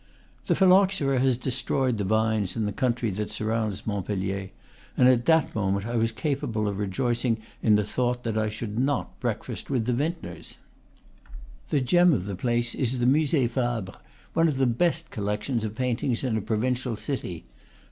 The phyl loxera has destroyed the vines in the country that sur rounds Montpellier, and at that moment I was capable of rejoicing in the thought that I should not breakfast with vintners. The gem of the place is the Musee Fabre, one of the best collections of paintings in a provincial city.